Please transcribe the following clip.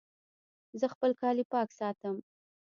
زه خپل کالي پاک ساتم